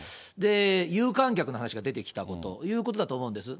有観客の話が出てきたこと、ということだと思うんです。